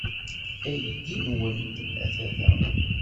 Aydi-nwent atan da.